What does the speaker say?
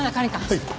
はい。